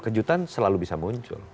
kejutan selalu bisa muncul